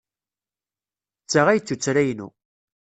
D ta ay d tuttra-inu.